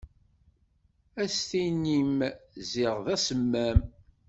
Ad s-tinni-m ziɣ d asemmam.